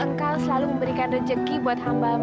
engkau selalu memberikan rezeki buat hambamu